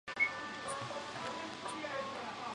开埠以前有制造石灰与瓷器。